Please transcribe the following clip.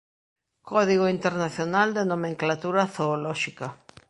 Código Internacional de Nomenclatura Zoolóxica.